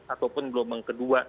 ataupun gelombang kedua